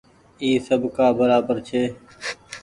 اي سب ڪآ برابر ڇي۔